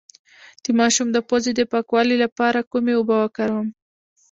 د ماشوم د پوزې د پاکوالي لپاره کومې اوبه وکاروم؟